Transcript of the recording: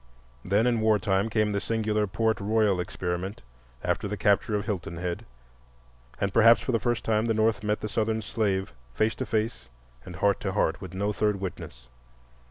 Then in war time came the singular Port Royal experiment after the capture of Hilton Head, and perhaps for the first time the North met the Southern slave face to face and heart to heart with no third witness.